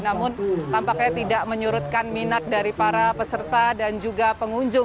namun tampaknya tidak menyurutkan minat dari para peserta dan juga pengunjung